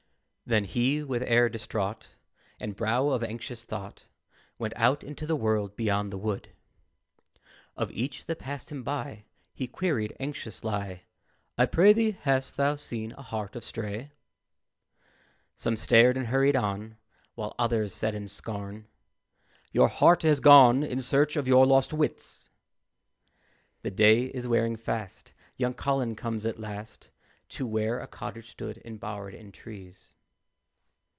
Then he, with air distraught, And brow of anxious thought, Went out into the world beyond the wood. Of each that passed him by, He queried anxiously, "I prithee, hast thou seen a heart astray?" Some stared and hurried on, While others said in scorn. "Your heart has gone in search of your lost wits" The day is wearing fast, Young Colin comes at last To where a cottage stood embowered in trees.